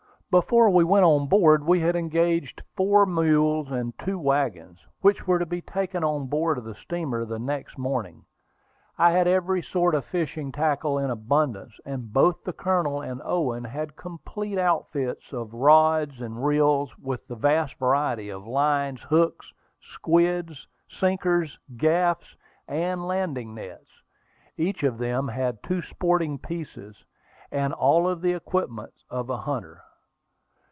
Before we went on board we had engaged four mules and two wagons, which were to be taken on board of the steamer the next morning. I had every sort of fishing tackle in abundance, and both the colonel and Owen had complete outfits of rods and reels, with a vast variety of lines, hooks, squids, sinkers, gaffs, and landing nets. Each of them had two sporting pieces, and all the equipments of a hunter.